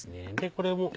これも。